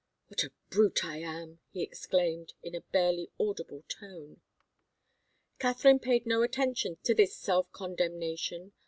"What a brute I am!" he exclaimed, in a barely audible tone. Katharine paid no attention to this self condemnation.